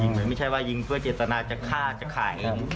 หรือไม่ใช่ว่ายิงเพื่อเจตนาจะฆ่าจะขาย